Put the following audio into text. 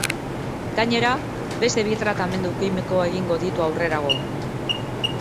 Gainera, beste bi tratamendu kimiko egingo ditu aurrerago.